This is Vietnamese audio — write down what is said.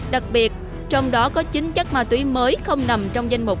đặc biệt trong đó có chín chất ma túy mới không nằm trong danh mục